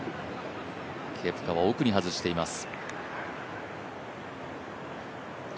ケプカは奥に外しています。